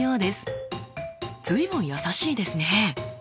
随分優しいですね。